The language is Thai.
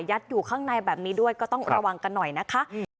อยู่ข้างในแบบนี้ด้วยก็ต้องระวังกันหน่อยนะคะ